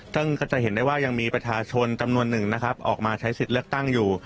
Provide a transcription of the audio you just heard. ซึ่งก็จะเห็นได้ว่ายังมีประชาชนจำนวนหนึ่งนะครับออกมาใช้สิทธิ์เลือกตั้งอยู่